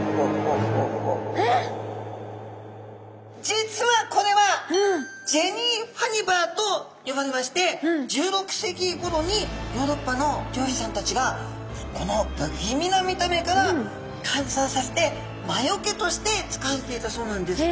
実はこれはジェニー・ハニヴァーと呼ばれまして１６世紀ごろにヨーロッパの漁師さんたちがこの不気味な見た目からかんそうさせて魔除けとして使われていたそうなんです。